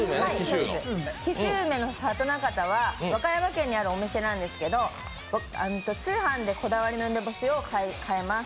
紀州梅の里なかたは和歌山県にあるお店なんですけど通販でこだわりの梅干しを買えます。